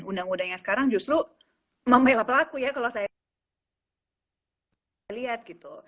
undang undangnya sekarang justru memiliki pelaku ya kalau saya lihat gitu